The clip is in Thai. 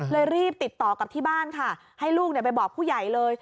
รีบติดต่อกลับที่บ้านค่ะให้ลูกไปบอกผู้ใหญ่เลย